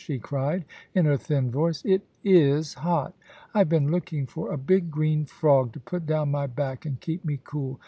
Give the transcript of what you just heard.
she cried in her thin voice ;* it is hot ! I've been looking for a big green frog to put down my back and keep me cool.